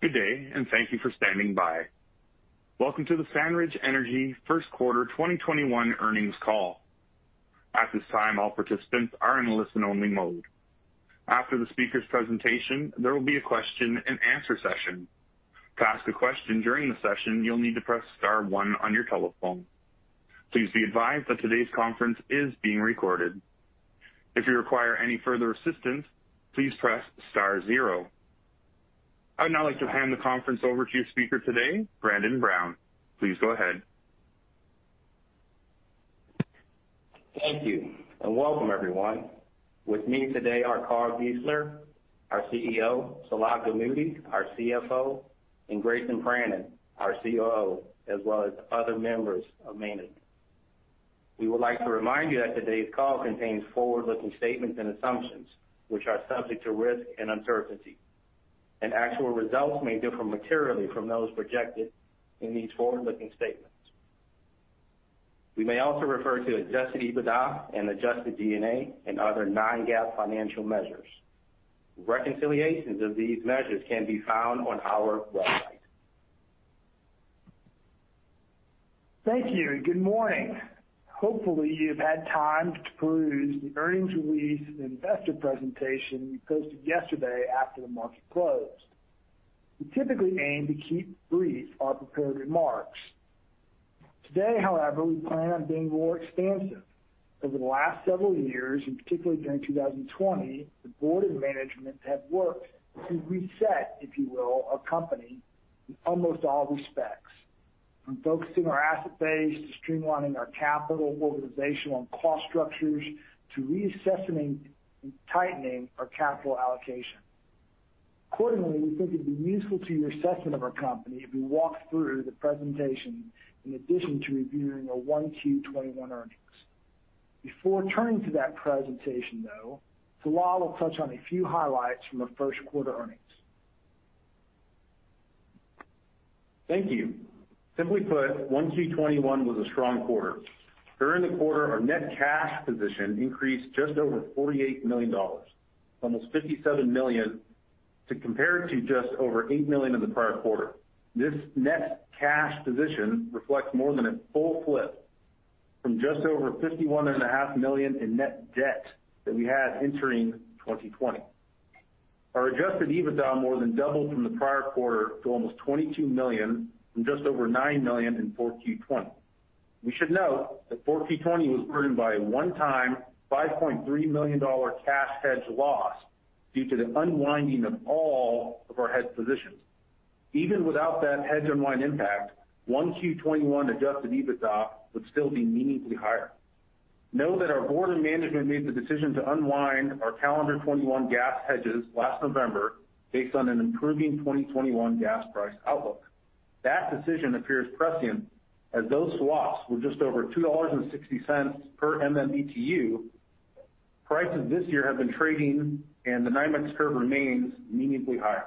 Good day, and thank you for standing by. Welcome to the SandRidge Energy first quarter 2021 earnings call. At this time, all participants are in listen-only mode. After the speaker's presentation, there will be a question and answer session. To ask a question during the session, you'll need to press star one on your telephone. Please be advised that today's conference is being recorded. If you require any further assistance, please press star zero. I'd now like to hand the conference over to your speaker today, Brandon Brown. Please go ahead. Thank you. Welcome everyone. With me today are Carl Giesler, our CEO, Salah Gamoudi, our CFO, and Grayson Pranin, our COO, as well as other members of management. We would like to remind you that today's call contains forward-looking statements and assumptions, which are subject to risk and uncertainty. Actual results may differ materially from those projected in these forward-looking statements. We may also refer to adjusted EBITDA and adjusted G&A and other non-GAAP financial measures. Reconciliations of these measures can be found on our website. Thank you. Good morning. Hopefully, you've had time to peruse the earnings release and investor presentation we posted yesterday after the market closed. We typically aim to keep brief our prepared remarks. Today, however, we plan on being more expansive. Over the last several years, and particularly during 2020, the board and management have worked to reset, if you will, our company in almost all respects, from focusing our asset base to streamlining our capital, organizational, and cost structures to reassessing and tightening our capital allocation. Accordingly, we think it'd be useful to your assessment of our company if we walk through the presentation in addition to reviewing our 1Q 2021 earnings. Before turning to that presentation, though, Salah will touch on a few highlights from our first quarter earnings. Thank you. Simply put, 1Q 2021 was a strong quarter. During the quarter, our net cash position increased just over $48 million, almost $57 million to compare to just over $8 million in the prior quarter. This net cash position reflects more than a full flip from just over $51.5 million in net debt that we had entering 2020. Our adjusted EBITDA more than doubled from the prior quarter to almost $22 million from just over $9 million in 4Q 2020. We should note that 4Q20 was burdened by a one-time $5.3 million cash hedge loss due to the unwinding of all of our hedge positions. Even without that hedge unwind impact, 1Q 2021 adjusted EBITDA would still be meaningfully higher. Know that our board and management made the decision to unwind our calendar 2021 gas hedges last November based on an improving 2021 gas price outlook. That decision appears prescient as those swaps were just over $2.60 per MMBtu. Prices this year have been trading and the NYMEX curve remains meaningfully higher.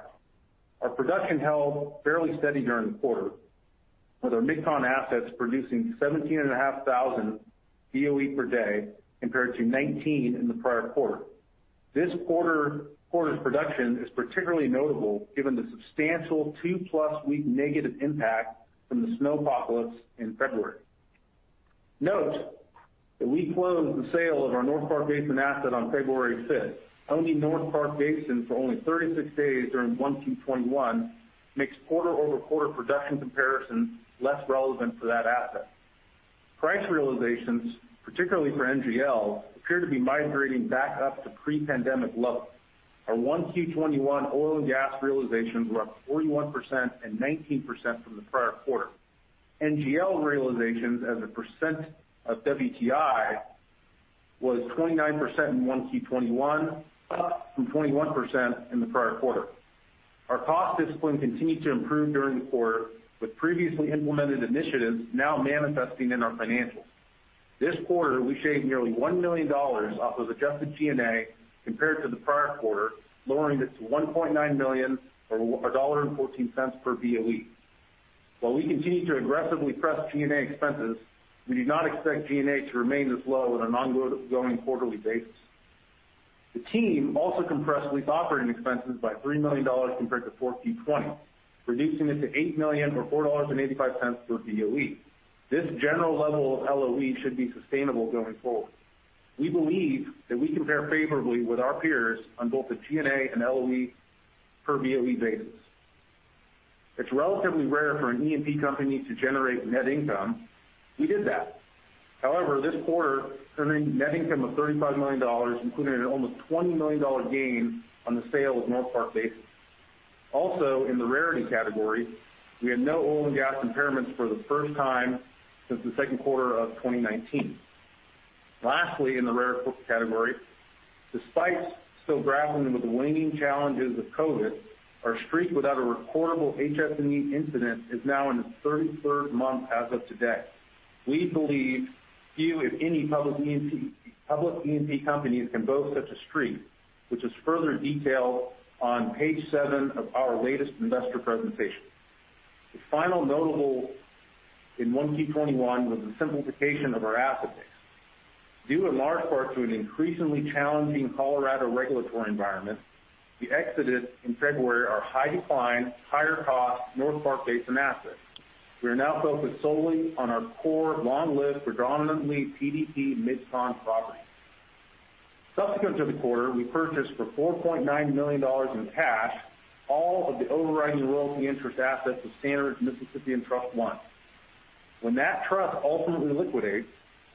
Our production held fairly steady during the quarter, with our Mid-Continent assets producing 17,500 BOE per day compared to 19 in the prior quarter. This quarter's production is particularly notable given the substantial two-plus week negative impact from the snowpocalypse in February. Note that we closed the sale of our North Park Basin asset on February 5th. Owning North Park Basin for only 36 days during 1Q 2021 makes quarter-over-quarter production comparison less relevant for that asset. Price realizations, particularly for NGL, appear to be migrating back up to pre-pandemic levels. Our 1Q 2021 oil and gas realizations were up 41% and 19% from the prior quarter. NGL realizations as a percent of WTI was 29% in 1Q 2021, up from 21% in the prior quarter. Our cost discipline continued to improve during the quarter, with previously implemented initiatives now manifesting in our financials. This quarter, we shaved nearly $1 million off of adjusted G&A compared to the prior quarter, lowering it to $1.9 million or $1.14 per BOE. While we continue to aggressively press G&A expenses, we do not expect G&A to remain this low on an ongoing quarterly basis. The team also compressed lease operating expenses by $3 million compared to 4Q 2020, reducing it to $8 million or $4.85 per BOE. This general level of LOE should be sustainable going forward. We believe that we compare favorably with our peers on both the G&A and LOE per BOE basis. It's relatively rare for an E&P company to generate net income. We did that. However, this quarter, earning net income of $35 million, including an almost $20 million gain on the sale of North Park Basin. Also, in the rarity category, we had no oil and gas impairments for the first time since the second quarter of 2019. Lastly, in the rare category, despite still grappling with the waning challenges of COVID, our streak without a reportable HSE incident is now in its 33rd month as of today. We believe few, if any, public E&P companies can boast such a streak, which is further detailed on page seven of our latest investor presentation. The final notable in 1Q 2021 was the simplification of our asset base. Due in large part to an increasingly challenging Colorado regulatory environment, we exited in February our high decline, higher cost North Park Basin assets. We are now focused solely on our core, long live, predominantly PDP MidCon properties. Subsequent to the quarter, we purchased for $4.9 million in cash, all of the overriding royalty interest assets of SandRidge Mississippian Trust I. When that trust ultimately liquidates,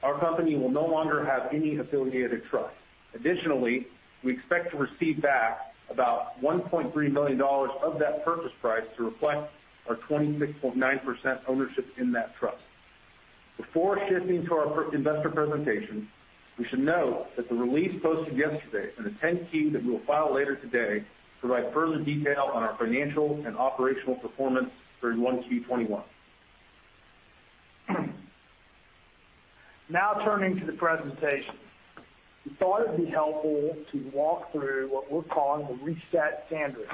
our company will no longer have any affiliated trust. Additionally, we expect to receive back about $1.3 million of that purchase price to reflect our 26.9% ownership in that trust. Before shifting to our investor presentation, we should note that the release posted yesterday and the 10-Q that we will file later today provide further detail on our financial and operational performance during 1Q 2021. Now turning to the presentation. We thought it'd be helpful to walk through what we're calling the Reset SandRidge.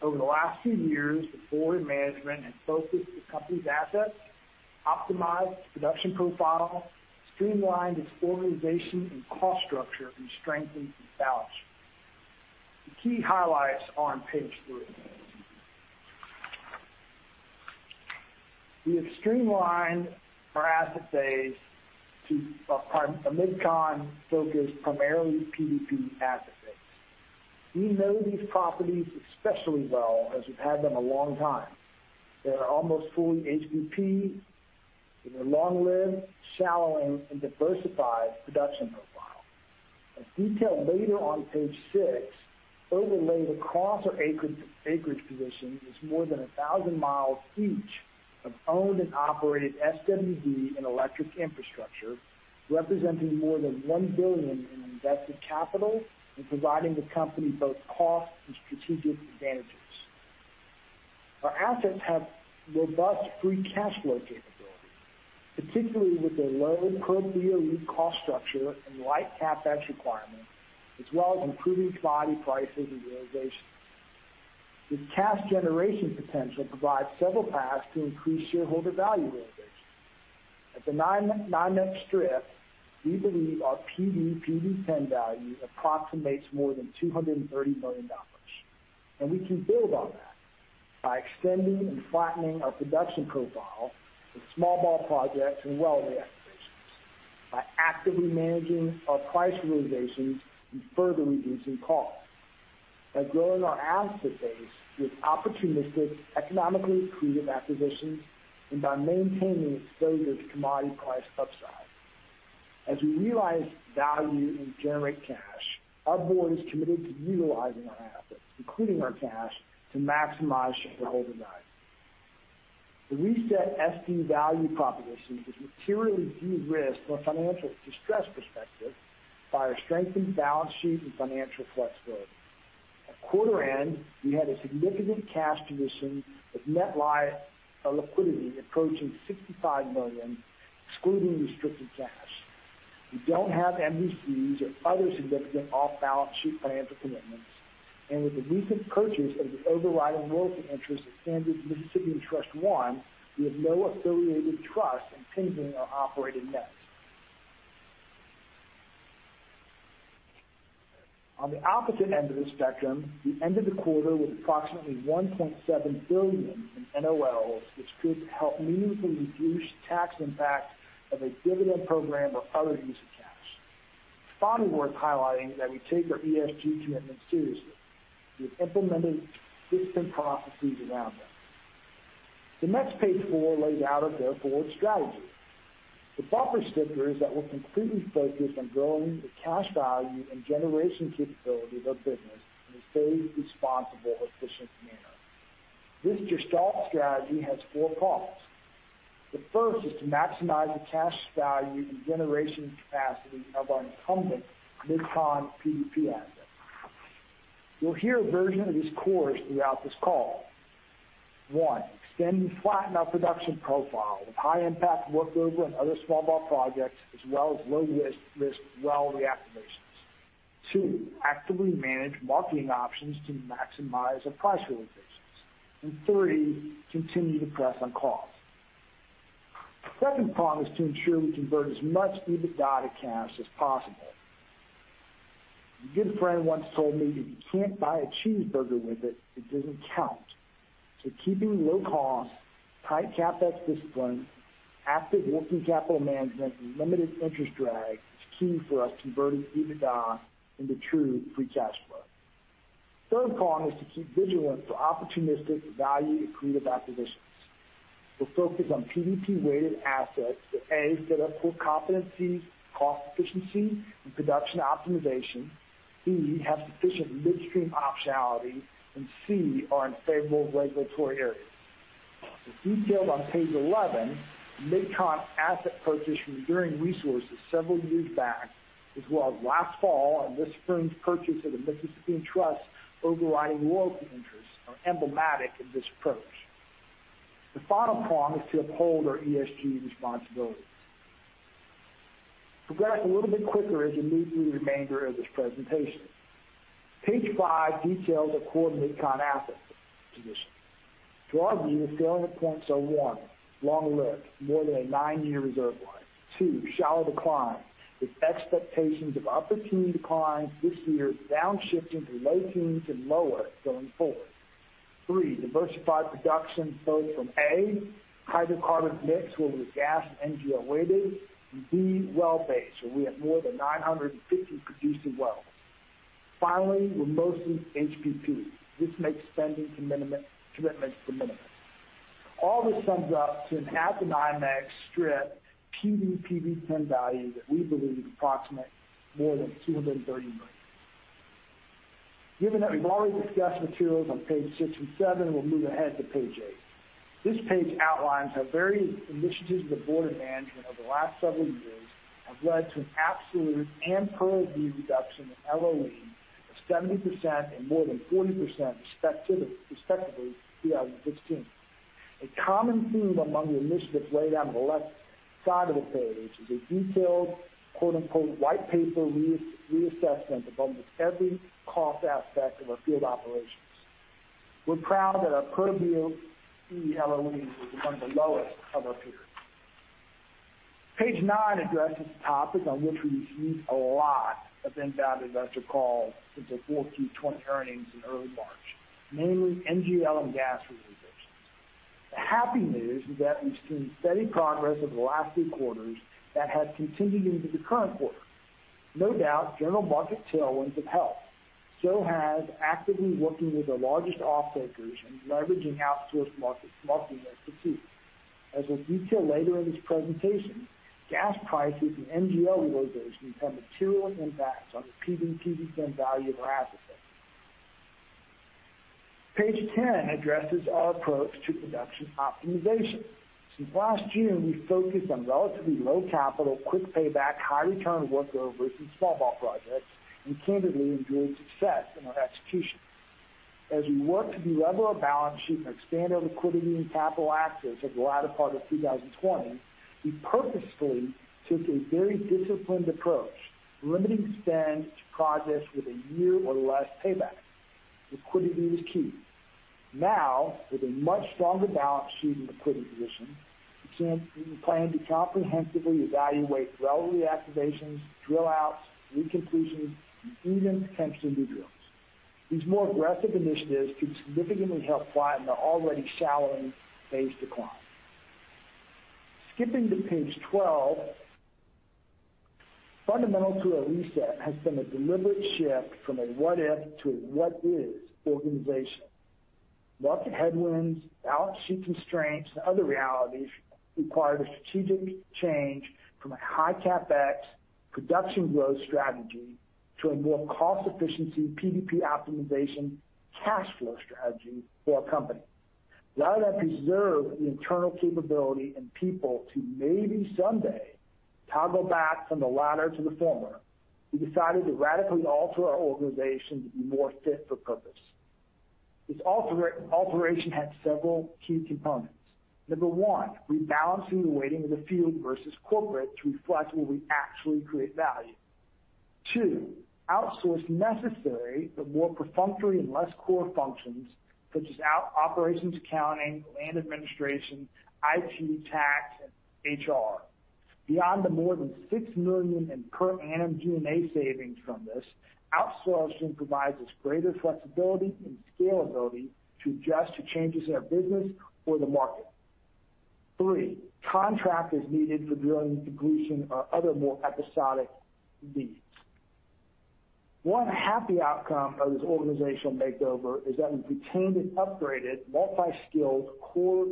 Over the last few years, the board and management have focused the company's assets, optimized its production profile, streamlined its organization and cost structure, and strengthened its balance sheet. The key highlights are on page three. We have streamlined our asset base to a MidCon focus, primarily PDP asset base. We know these properties especially well as we've had them a long time. They are almost fully HBP with a long lived, shallow, and diversified production profile. As detailed later on page six, overlaying across our acreage position is more than 1,000 mi each of owned and operated SWD and electric infrastructure, representing more than $1 billion in invested capital and providing the company both cost and strategic advantages. Our assets have robust free cash flow capabilities, particularly with their low current BOE cost structure and light CapEx requirements, as well as improving commodity prices and realization. This cash generation potential provides several paths to increase shareholder value realization. At the NYMEX strip, we believe our PD PV-10 value approximates more than $230 million, and we can build on that by extending and flattening our production profile with small-ball projects and well reactivations, by actively managing our price realizations and further reducing costs, by growing our asset base with opportunistic, economically accretive acquisitions, and by maintaining exposure to commodity price upside. As we realize value and generate cash, our board is committed to utilizing our assets, including our cash, to maximize shareholder value. The reset SD value proposition is materially de-risked from a financial distress perspective by our strengthened balance sheet and financial flexibility. At quarter end, we had a significant cash position with net liquidity approaching $65 million, excluding restricted cash. We don't have MVCs or other significant off-balance sheet financial commitments. With the recent purchase of the overriding royalty interest of SandRidge Mississippian Trust I, we have no affiliated trust impinging our operating nets. On the opposite end of the spectrum, we ended the quarter with approximately $1.7 billion in NOLs, which could help meaningfully reduce tax impact of a dividend program or other use of cash. Worth highlighting that we take our ESG commitments seriously. We have implemented systems and processes around them. The maps page four lays out our go-forward strategy. The proper pillar is that we're completely focused on growing the cash value and generation capabilities of our business in a safe, responsible, efficient manner. This gestalt strategy has four prongs. The first is to maximize the cash value and generation capacity of our incumbent MidCon PDP assets. You'll hear a version of these cores throughout this call. One, extend and flatten our production profile with high impact workover and other small-ball projects, as well as low-risk well reactivations. Two, actively manage marketing options to maximize our price realizations. Three, continue to press on costs. The second prong is to ensure we convert as much EBITDA to cash as possible. A good friend once told me, "If you can't buy a cheeseburger with it doesn't count." Keeping low costs, tight CapEx discipline, active working capital management, and limited interest drag is key for us converting EBITDA into true free cash flow. Third prong is to keep vigilant for opportunistic, value-accretive acquisitions. We're focused on PDP-weighted assets that, A, fit our core competencies, cost efficiency and production optimization, B, have sufficient midstream optionality, and C, are in favorable regulatory areas. As detailed on page 11, MidCon asset purchase from Enduring Resources several years back, as well as last fall and this spring's purchase of the Mississippian Trust overriding royalty interests are emblematic of this approach. The final prong is to uphold our ESG responsibilities. Progress a little bit quicker as you move through the remainder of this presentation. Page five details our core MidCon asset position. To our view, it's still in a Point 0.1, long lived, more than a nine-year reserve life. Two, shallow decline, with expectations of upper teen declines this year downshifting to low teens and lower going forward. Three, diversified production both from, A, hydrocarbon mix where we're gas and NGL weighted, and B, wellbase, where we have more than 950 producing wells. Finally, we're mostly HBP. This makes spending commitments de minimis. All this sums up to an asset NYMEX strip PD PV-10 value that we believe is approximately more than $230 million. Given that we've already discussed materials on page six and seven, we'll move ahead to page eight. This page outlines how various initiatives of the board and management over the last several years have led to an absolute and per-BOE reduction in LOE of 70% and more than 40%, respectively, in 2016. A common theme among the initiatives laid out on the left side of the page is a detailed quote, unquote, "white paper reassessment" of almost every cost aspect of our field operations. We're proud that our per-BOE LOE is among the lowest of our peers. Page nine addresses the topic on which we've received a lot of inbound investor calls since our 4Q 2020 earnings in early March, namely NGL and gas realizations. The happy news is that we've seen steady progress over the last few quarters that has continued into the current quarter. No doubt, general market tailwinds have helped. Has actively working with our largest off-takers and leveraging outsourced marketing institutes. As we'll detail later in this presentation, gas prices and NGL realizations can have material impacts on the PD PV-10 value of our asset base. Page 10 addresses our approach to production optimization. Since last June, we've focused on relatively low capital, quick payback, high return workovers and small ball projects, and candidly enjoyed success in our execution. As we worked to de-lever our balance sheet and expand our liquidity and capital access over the latter part of 2020, we purposefully took a very disciplined approach, limiting spend to projects with a year or less payback. Liquidity was key. Now, with a much stronger balance sheet and liquidity position, we plan to comprehensively evaluate well reactivations, drill outs, recompletions, and even potential new drills. These more aggressive initiatives could significantly help flatten the already shallowing base decline. Skipping to page 12, fundamental to our reset has been a deliberate shift from a what if to a what is organization. Market headwinds, balance sheet constraints, and other realities required a strategic change from a high CapEx production growth strategy to a more cost-efficient PDP optimization cash flow strategy for our company. Rather than preserve the internal capability and people to maybe someday toggle back from the latter to the former, we decided to radically alter our organization to be more fit for purpose. This alteration had several key components. Number one, rebalancing the weighting of the field versus corporate to reflect where we actually create value. Two, outsource necessary but more perfunctory and less core functions such as operations accounting, land administration, IT, tax, and HR. Beyond the more than $6 million in per annum G&A savings from this, outsourcing provides us greater flexibility and scalability to adjust to changes in our business or the market. Three, contract is needed for drilling, completion, or other more episodic needs. One happy outcome of this organizational makeover is that we've retained an upgraded, multi-skilled core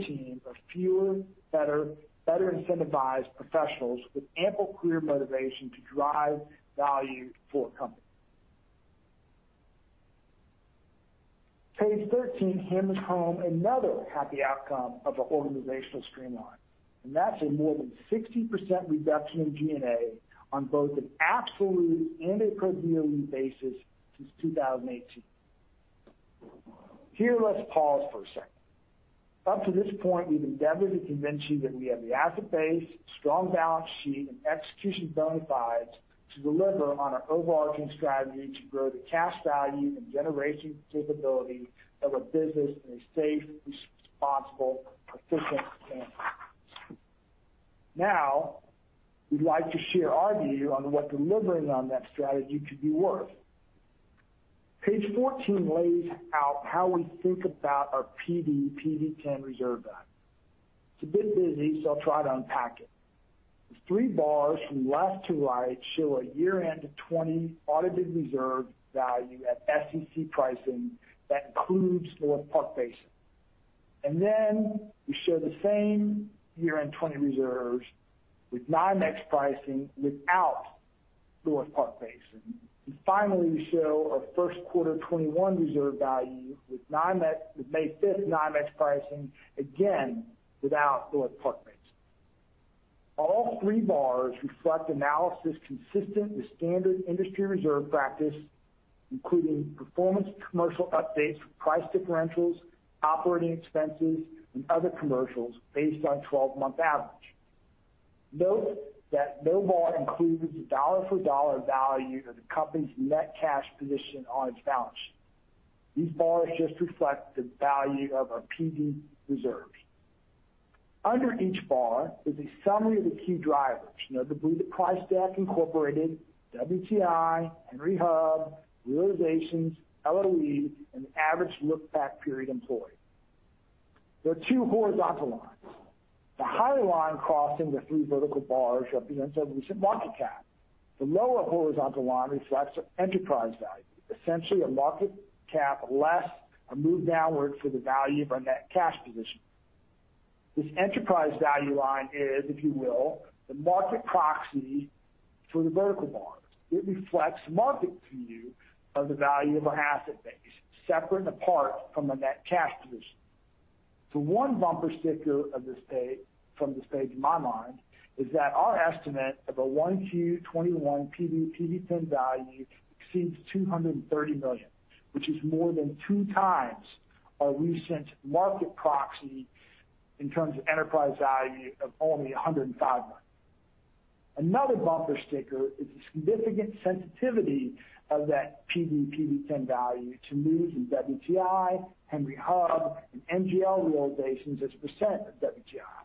team of fewer, better incentivized professionals with ample career motivation to drive value for our company. Page 13 hammers home another happy outcome of the organizational streamline, That's a more than 60% reduction in G&A on both an absolute and a per-BOE basis since 2018. Here, let's pause for a second. Up to this point, we've endeavored to convince you that we have the asset base, strong balance sheet, and execution bona fides to deliver on our overarching strategy to grow the cash value and generation capability of our business in a safe, responsible, efficient manner. Now, we'd like to share our view on what delivering on that strategy could be worth. Page 14 lays out how we think about our PD PV-10 reserve value. It's a bit busy, so I'll try to unpack it. The three bars from left to right show a year-end 2020 audited reserve value at SEC pricing that includes North Park Basin. Then we show the same year-end 2020 reserves with NYMEX pricing without North Park Basin. Finally, we show our first quarter 2021 reserve value with May 5th NYMEX pricing, again, without North Park Basin. All three bars reflect analysis consistent with standard industry reserve practice, including performance commercial updates for price differentials, operating expenses, and other commercials based on 12-month average. Note that no bar includes a dollar for dollar value of the company's net cash position on its balance sheet. These bars just reflect the value of our PD reserves. Under each bar is a summary of the key drivers, notably the price deck incorporated, WTI, Henry Hub, realizations, LOE, and the average lookback period employed. There are two horizontal lines. The higher line crossing the three vertical bars represents our recent market cap. The lower horizontal line reflects our enterprise value. Essentially, a market cap less a move downward for the value of our net cash position. This enterprise value line is, if you will, the market proxy for the vertical bars. It reflects the market view of the value of our asset base, separate and apart from our net cash position. The one bumper sticker from this page in my mind is that our estimate of a 1Q 2021 PV-10 value exceeds $230 million, which is more than two times our recent market proxy in terms of enterprise value of only $105 million. Another bumper sticker is the significant sensitivity of that PV-10 value to moves in WTI, Henry Hub, and NGL realizations as a percent of WTI.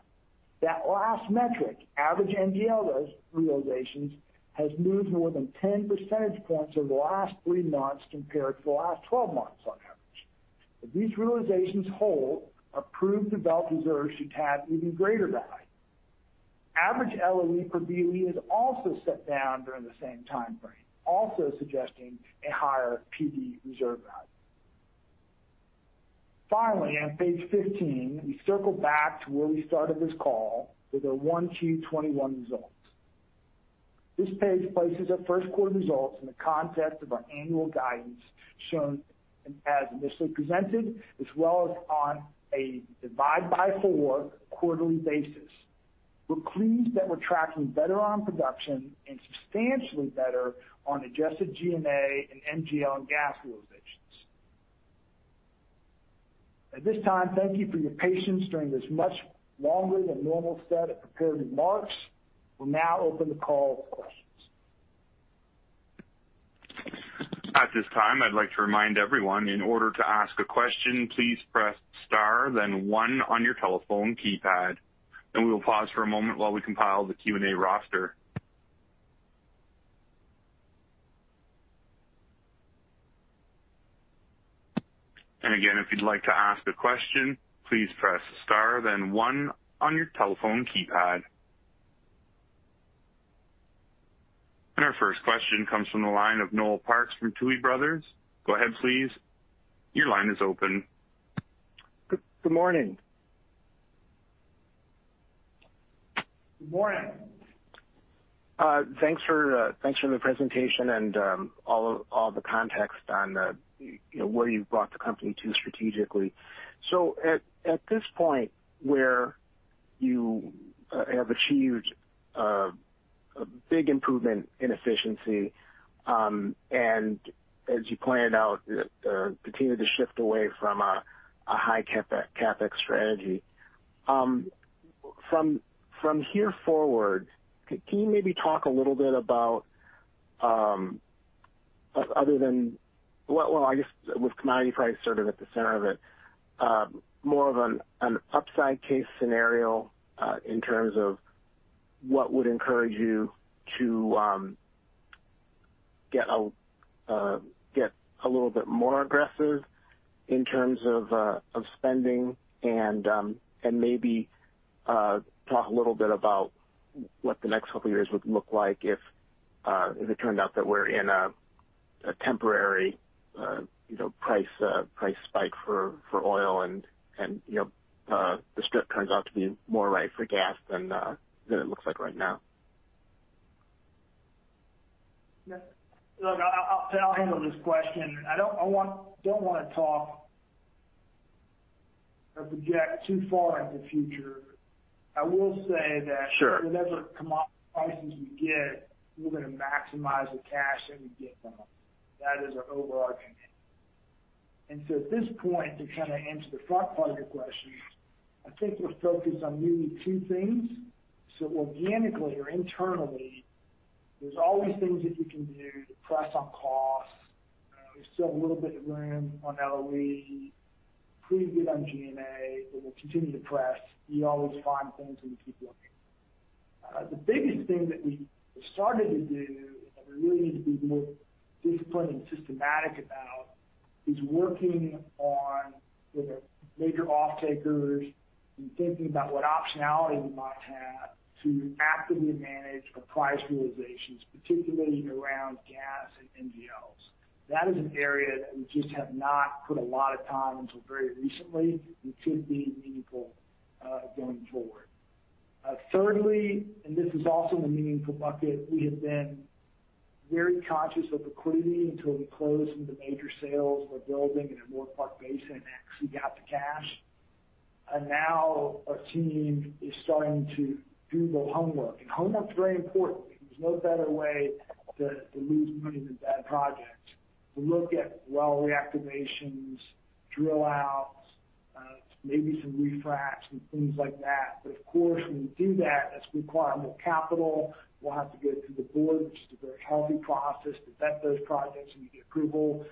That last metric, average NGL realizations, has moved more than 10 percentage points over the last three months compared to the last 12 months on average. If these realizations hold, our proved developed reserves should have even greater value. Average LOE per BOE has also set down during the same time frame, also suggesting a higher PD reserve value. Finally, on page 15, we circle back to where we started this call with our 1Q 2021 results. This page places our first quarter results in the context of our annual guidance shown as initially presented, as well as on a divide by four quarterly basis. We're pleased that we're tracking better on production and substantially better on adjusted G&A and NGL and gas realizations. At this time, thank you for your patience during this much longer than normal set of prepared remarks. We'll now open the call for questions. At this time I would like to remind everyone on order to ask a question, please press star then one on your telephone keypad. We will pause for a moment while we compile the Q&A roster. And again if you would like to ask a question, please press star then one on your telephone keypad. Our first question comes from the line of Noel Parks from Tuohy Brothers. Go ahead, please. Your line is open. Good morning. Good morning. Thanks for the presentation and all the context on where you've brought the company to strategically. At this point where you have achieved a big improvement in efficiency, and as you pointed out, continued to shift away from a high CapEx strategy. From here forward, can you maybe talk a little bit about, other than, well, I guess with commodity price sort of at the center of it, more of an upside case scenario, in terms of what would encourage you to get a little bit more aggressive in terms of spending and maybe talk a little bit about what the next couple of years would look like if it turned out that we're in a temporary price spike for oil and the strip turns out to be more right for gas than it looks like right now? Look, I'll handle this question. I don't want to talk or project too far into the future. I will say that- Sure. Whatever commodity prices we get, we're going to maximize the cash that we get from them. That is our overarching end. At this point, to kind of answer the front part of your question, I think we're focused on really two things. Organically or internally, there's always things that we can do to press on costs. There's still a little bit of room on LOE. Pretty good on G&A, but we'll continue to press. We always find things when we keep looking. The biggest thing that we have started to do, and that we really need to be more disciplined and systematic about, is working on with our major off-takers and thinking about what optionality we might have to actively manage our price realizations, particularly around gas and NGLs. That is an area that we just have not put a lot of time until very recently. It should be meaningful going forward. Thirdly, and this is also a meaningful bucket, we have been very conscious of liquidity until we closed the major sales, were building in our North Park Basin, and actually got the cash. Now our team is starting to do the homework. Homework is very important. There's no better way to lose money than bad projects. To look at well reactivations, drill outs, maybe some refracs and things like that. Of course, when we do that's going to require more capital. We'll have to get it through the board, which is a very healthy process to vet those projects, and we get approval.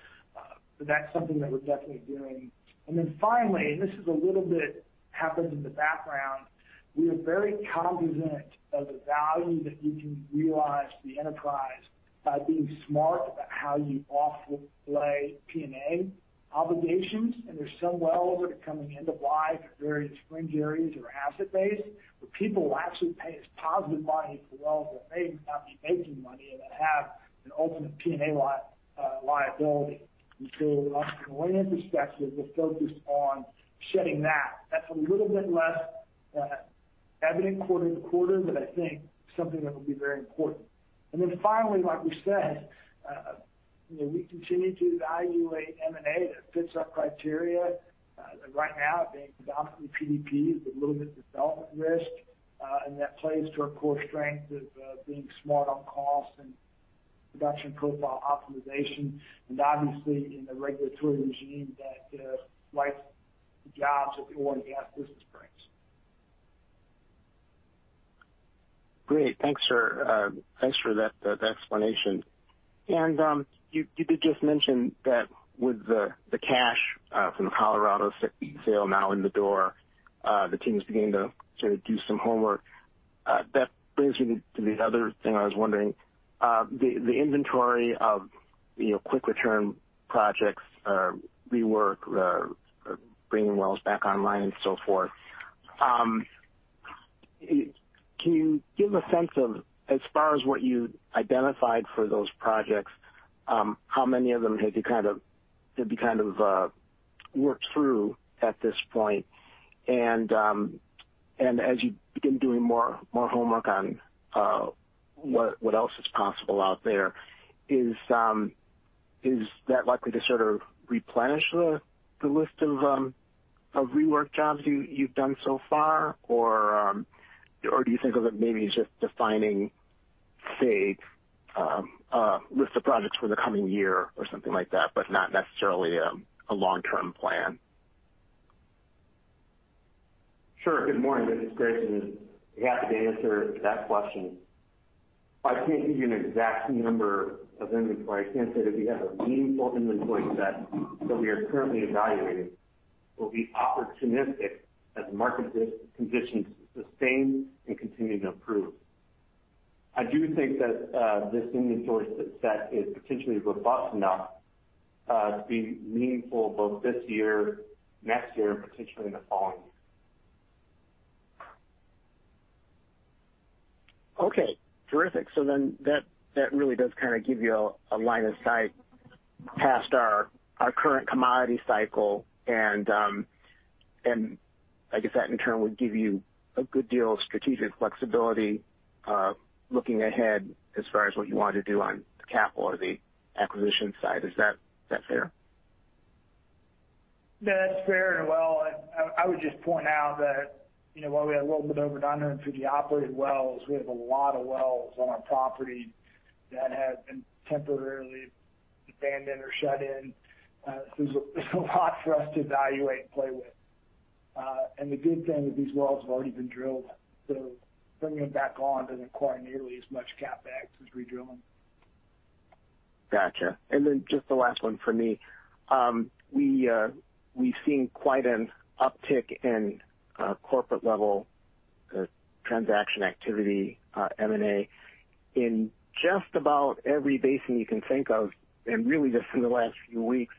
That's something that we're definitely doing. Then finally, and this is a little bit happens in the background, we are very cognizant of the value that you can realize to the enterprise by being smart about how you off play P&A obligations. There's some wells that are coming end of life at various fringe areas of our asset base, where people will actually pay us positive money for wells that may not be making money and that have an open P&A liability. So from an oil and perspective, we're focused on shedding that. That's a little bit less evident quarter to quarter, but I think something that will be very important. Then finally, like we said, we continue to evaluate M&A that fits our criteria. Right now, being predominantly PDP with a little bit of development risk. That plays to our core strength of being smart on cost and production profile optimization. Obviously in the regulatory regime that likes the jobs that the oil and gas business brings. Great. Thanks for that explanation. You did just mention that with the cash from the Colorado sale now in the door, the team is beginning to do some homework. That brings me to the other thing I was wondering. The inventory of quick return projects, rework, bringing wells back online, and so forth. Can you give a sense of, as far as what you identified for those projects, how many of them have you worked through at this point? As you begin doing more homework on what else is possible out there, is that likely to sort of replenish the list of rework jobs you've done so far? Do you think of it maybe as just defining, say, a list of projects for the coming year or something like that, but not necessarily a long-term plan? Sure. Good morning, this is Grayson. Happy to answer that question. I can't give you an exact number of inventory. I can say that we have a meaningful inventory set that we are currently evaluating. We'll be opportunistic as market conditions sustain and continue to improve. I do think that this inventory set is potentially robust enough to be meaningful both this year, next year, and potentially in the following year. Okay. Terrific. That really does kind of give you a line of sight past our current commodity cycle. I guess that in turn would give you a good deal of strategic flexibility looking ahead as far as what you want to do on the capital or the acquisition side. Is that fair? That's fair. Well, I would just point out that, while we have a little bit over 200 2P operated wells, we have a lot of wells on our property that have been temporarily abandoned or shut in. There's a lot for us to evaluate and play with. The good thing is these wells have already been drilled, so bringing them back on doesn't require nearly as much CapEx as redrilling. Gotcha. Just the last one from me. We've seen quite an uptick in corporate level transaction activity, M&A, in just about every basin you can think of, and really just in the last few weeks.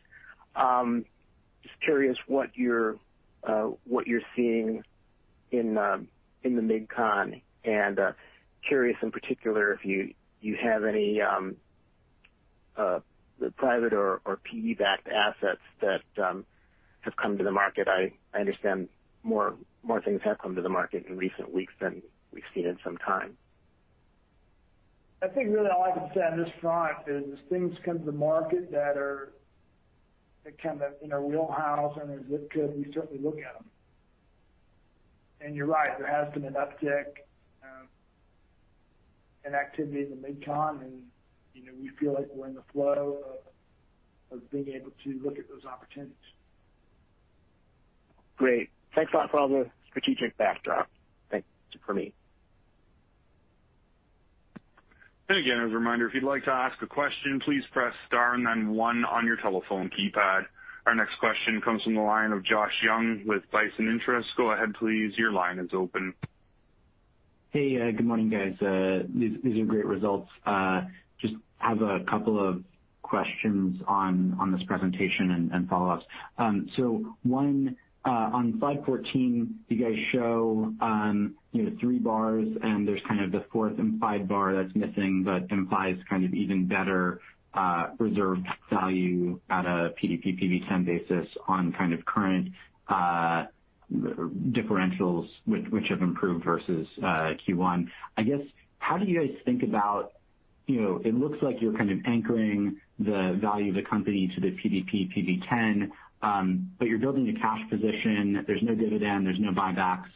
Just curious what you're seeing in the Mid-Con. Curious in particular, if you have any private or PE-backed assets that have come to the market. I understand more things have come to the market in recent weeks than we've seen in some time. I think really all I can say on this front is, as things come to the market that are kind of in our wheelhouse and are good, we certainly look at them. You're right, there has been an uptick in activity in the Mid-Con, and we feel like we're in the flow of being able to look at those opportunities. Great. Thanks a lot for all the strategic backdrop. That's it for me. Again, as a reminder, if you'd like to ask a question, please press star and then one on your telephone keypad. Our next question comes from the line of Josh Young with Bison Interests. Go ahead please. Your line is open. Hey, good morning guys. These are great results. Just have a couple of questions on this presentation and follow-ups. One, on slide 14, you guys show three bars and there's kind of the fourth implied bar that's missing, but implies kind of even better reserve value at a PD PV-10 basis on kind of current differentials, which have improved versus Q1. I guess, how do you guys think about it. It looks like you're kind of anchoring the value of the company to the PD PV-10, but you're building a cash position. There's no dividend, there's no buybacks.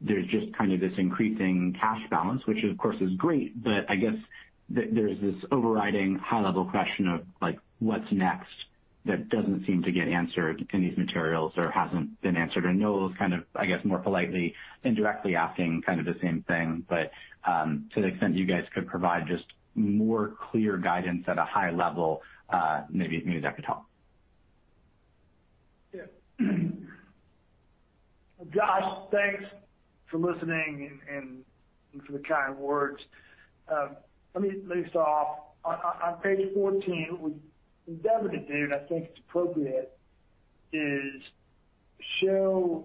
There's just kind of this increasing cash balance, which of course is great, but I guess there's this overriding high level question of what's next that doesn't seem to get answered in these materials or hasn't been answered. I know it was kind of, I guess, more politely indirectly asking kind of the same thing. To the extent you guys could provide just more clear guidance at a high level, maybe that would help. Yeah. Josh, thanks for listening and for the kind words. Let me start off on page 14. What we endeavor to do, and I think it's appropriate, is show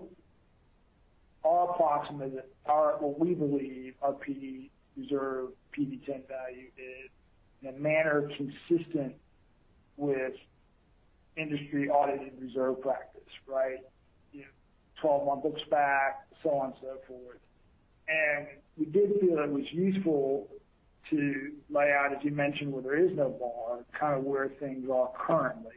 our approximate, or what we believe our PD reserve, PD-10 value is in a manner consistent with industry audited reserve practice, right? 12 month looks back, so on and so forth. We did feel it was useful to lay out, as you mentioned, where there is no bar, kind of where things are currently.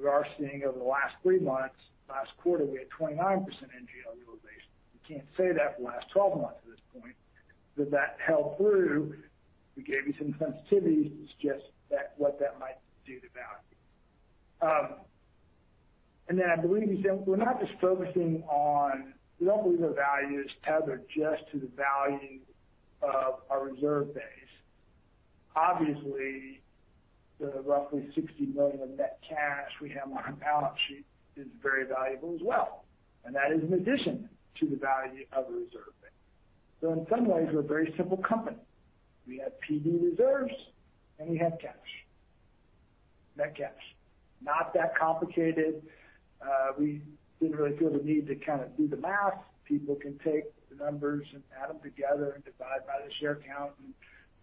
We are seeing over the last three months, last quarter, we had a 29% NGL utilization. We can't say that for the last 12 months at this point, but that held through. We gave you some sensitivities to suggest what that might do to value. I believe you said we don't believe our value is tethered just to the value of our reserve base. Obviously, the roughly $60 million of net cash we have on our balance sheet is very valuable as well, and that is in addition to the value of the reserve base. In some ways, we're a very simple company. We have PD reserves and we have cash. Net cash. Not that complicated. We didn't really feel the need to kind of do the math. People can take the numbers and add them together and divide by the share count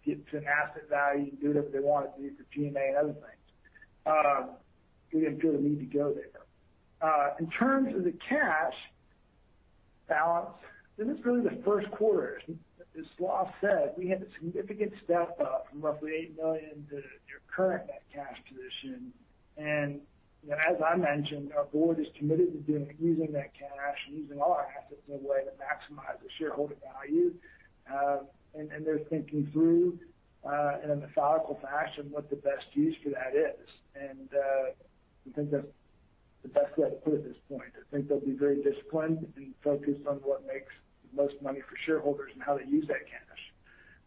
and get to an asset value and do whatever they want to do with the G&A and other things. We didn't feel the need to go there. In terms of the cash balance, this is really the first quarter. As Salah said, we had a significant step up from roughly $8 million to your current net cash position. As I mentioned, our board is committed to using that cash and using all our assets in a way that maximizes shareholder value. They're thinking through, in a methodical fashion, what the best use for that is. We think that's the best way to put it at this point. I think they'll be very disciplined and focused on what makes the most money for shareholders and how to use that cash,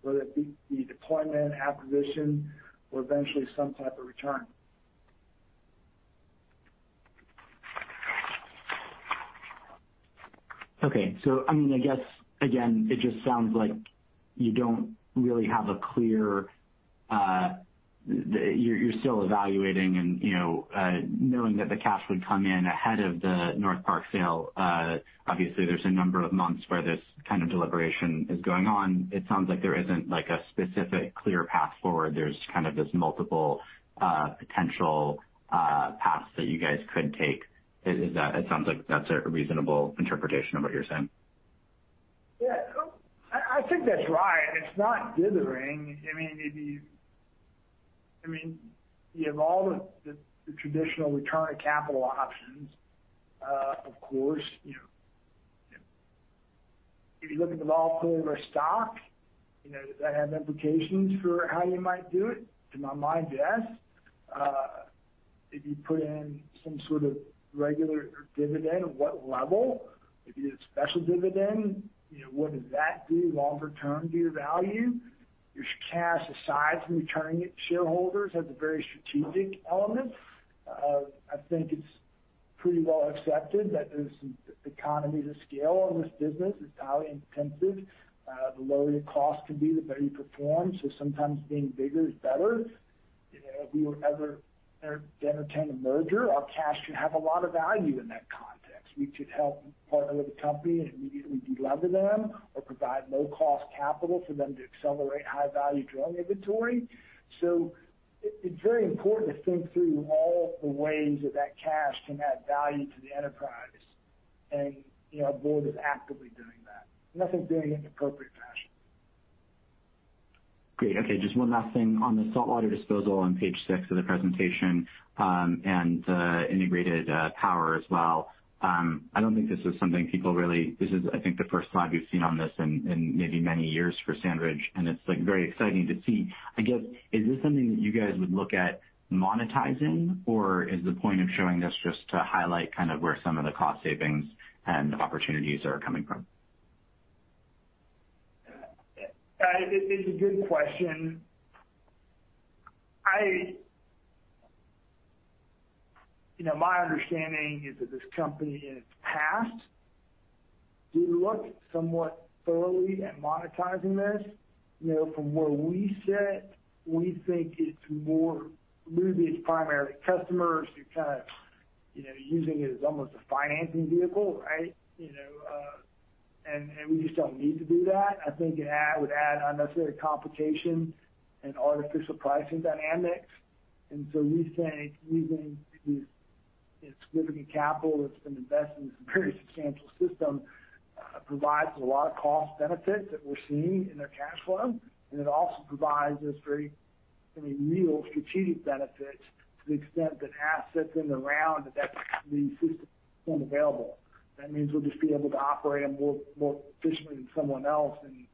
whether it be deployment, acquisition, or eventually some type of return. Okay. I guess again, it just sounds like you don't really have a clear, you're still evaluating and knowing that the cash would come in ahead of the North Park sale, obviously there's a number of months where this kind of deliberation is going on. It sounds like there isn't a specific clear path forward. There's kind of this multiple potential paths that you guys could take. It sounds like that's a reasonable interpretation of what you're saying. Yeah. I think that's right. It's not dithering. You have all the traditional return on capital options. Of course, if you look at the volatility of our stock, does that have implications for how you might do it? In my mind, yes. If you put in some sort of regular dividend, at what level? If you did a special dividend, what does that do longer term to your value? Your cash aside from returning it to shareholders has a very strategic element. I think it's pretty well accepted that there's some economies of scale in this business. It's value intensive. The lower your cost can be, the better you perform, so sometimes being bigger is better. If we were ever to entertain a merger, our cash could have a lot of value in that context. We could help partner with a company and immediately de-lever them or provide low-cost capital for them to accelerate high-value drilling inventory. It's very important to think through all the ways that that cash can add value to the enterprise. Our board is actively doing that and I think doing it in an appropriate fashion. Great. Okay, just one last thing on the saltwater disposal on page six of the presentation. Integrated power as well. I don't think this is something. This is, I think, the first slide we've seen on this in maybe many years for SandRidge, and it's very exciting to see. I guess, is this something that you guys would look at monetizing, or is the point of showing this just to highlight kind of where some of the cost savings and opportunities are coming from? It's a good question. My understanding is that this company in its past did look somewhat thoroughly at monetizing this. From where we sit, we think it's primarily customers who are kind of using it as almost a financing vehicle, right? We just don't need to do that. I think it would add unnecessary complication and artificial pricing dynamics. We think we can. It's significant capital that's been invested in this very substantial system, provides a lot of cost benefits that we're seeing in our cash flow. It also provides us very real strategic benefits to the extent that assets in the round that system available. That means we'll just be able to operate them more efficiently than someone else, and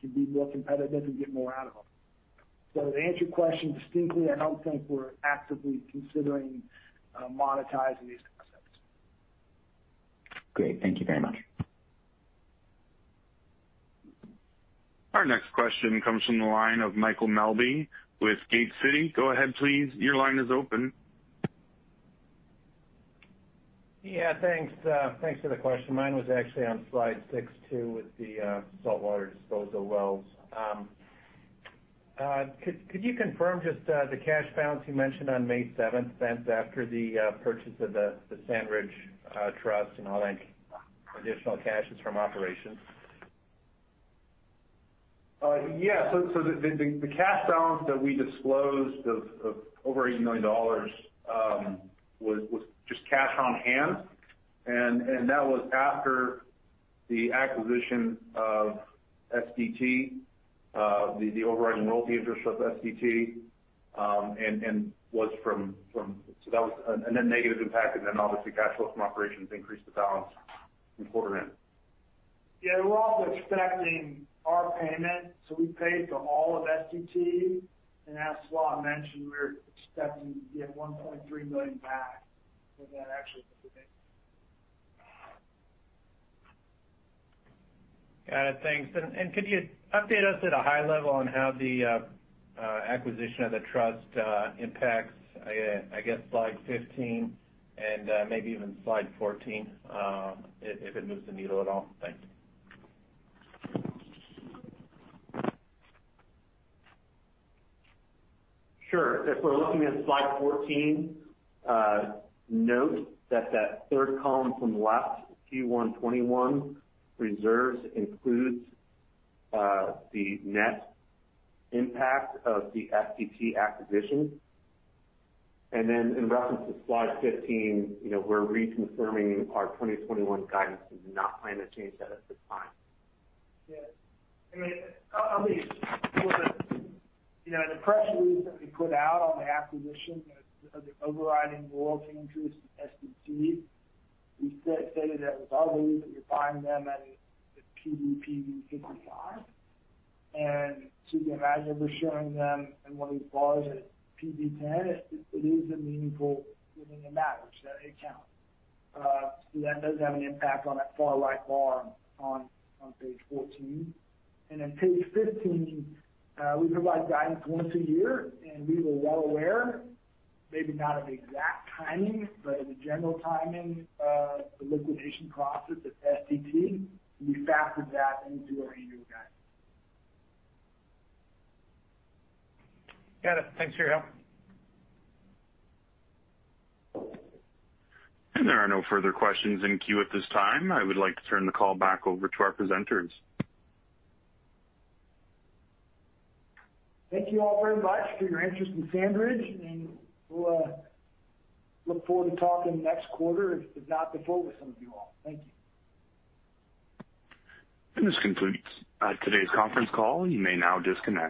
can be more competitive and get more out of them. To answer your question distinctly, I don't think we're actively considering monetizing these assets. Great. Thank you very much. Our next question comes from the line of Michael Melby with Gate City. Yeah, thanks for the question. Mine was actually on slide six too, with the saltwater disposal wells. Could you confirm just the cash balance you mentioned on May 7th then after the purchase of the SandRidge Trust and all that additional cash is from operations? The cash balance that we disclosed of over $80 million, was just cash on hand. That was after the acquisition of SDT, the overriding royalty interest of SDT, and then negative impact, and then obviously cash flow from operations increased the balance from quarter end. Yeah. We're also expecting our payment, so we paid for all of SDT, and as Salah mentioned, we're expecting to get $1.3 million back when that actually happens. Got it. Thanks. Could you update us at a high level on how the acquisition of the trust impacts, I guess, slide 15 and maybe even slide 14, if it moves the needle at all? Thanks. Sure. If we're looking at slide 14, note that that third column from the left, Q1 2021 reserves includes the net impact of the SDT acquisition. In reference to slide 15, we're reconfirming our 2021 guidance and do not plan to change that at this time. I mean, in the press release that we put out on the acquisition of the overriding royalty interest in SDT, we stated that it was our belief that we're buying them at PV-5. You can imagine we're showing them in one of these bars at PV-10. It is a meaningful giving amount, which it counts. That does have an impact on that far-right bar on page 14. Page 15, we provide guidance once a year, and we were well aware, maybe not of the exact timing, but of the general timing of the liquidation process at SDT, and we factored that into our annual guidance. Got it. Thanks for your help. There are no further questions in queue at this time. I would like to turn the call back over to our presenters. Thank you all very much for your interest in SandRidge, and we'll look forward to talking next quarter, if not before with some of you all. Thank you. This concludes today's conference call. You may now disconnect.